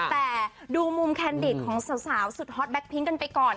แต่ดูมุมแคนดิตของสาวสุดฮอตแบ็คพิ้งกันไปก่อน